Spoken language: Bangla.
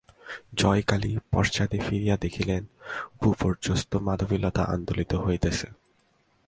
জয়কালী পশ্চাতে ফিরিয়া দেখিলেন, ভূপর্যস্ত মাধবীলতা আন্দোলিত হইতেছে।